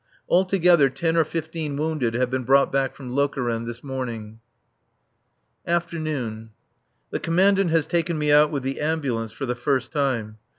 Altogether, ten or fifteen wounded have been brought back from Lokeren this morning. [Afternoon.] The Commandant has taken me out with the Ambulance for the first time.